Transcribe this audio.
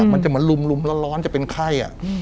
มันจะเหมือนลุมร้อนจะเป็นไข้